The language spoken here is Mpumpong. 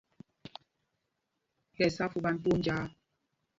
Mi tí ɛsá fupan twóó njāā.